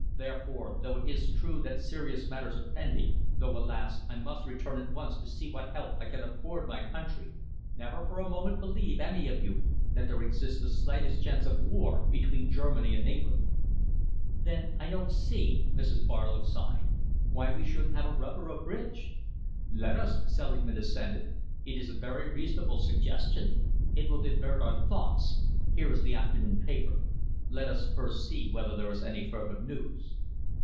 Therefore, though it is true that serious matters are pending, though, alas! I must return at once to see what help I can afford my country, never for a moment believe, any of you, that there exists the slightest chance of war between Germany and England." "Then I don't see," Mrs. Barlow sighed, "why we shouldn't have a rubber of bridge." "Let us," Selingman assented. "It is a very reasonable suggestion. It will divert our thoughts. Here is the afternoon paper. Let us first see whether there is any further news."